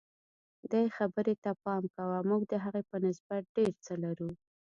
دې خبرې ته پام کوه موږ د هغې په نسبت ډېر څه لرو.